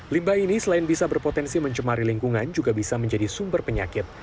limbah ini selain bisa berpotensi mencemari lingkungan juga bisa menjadi sumber penyakit